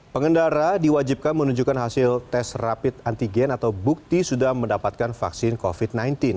pengendara diwajibkan menunjukkan hasil tes rapid antigen atau bukti sudah mendapatkan vaksin covid sembilan belas